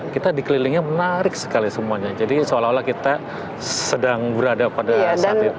kita dikelilingi menarik sekali semuanya jadi seolah olah kita sedang berada pada saat itu